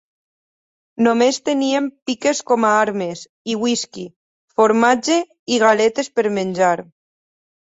Només tenien piques com a armes i whisky, formatge i galetes per menjar.